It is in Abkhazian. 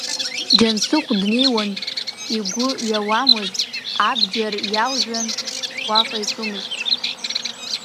Џьансыхә днеиуан, игәы ҩауамызт, абџьар иажәлан уаҟа икымызт.